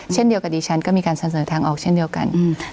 เช่นเดียวกับดิฉันก็มีการเสนอทางออกเช่นเดียวกัน